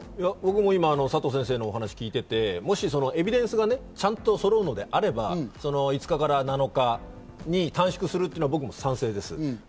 僕も佐藤先生のお話を聞いていて、もしエビデンスがちゃんとそろうのであれば５日から７日に短縮するというのは僕も賛成です。